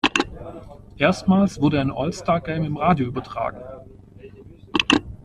Erstmals wurde ein All-Star Game im Radio übertragen.